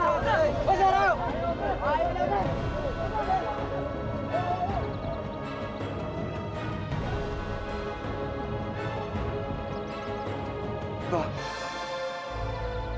masalah masalah masalah